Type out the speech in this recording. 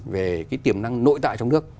về cái tiềm năng nội tại trong nước